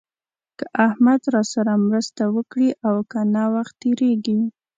که احمد راسره مرسته وکړي او که نه وخت تېرېږي.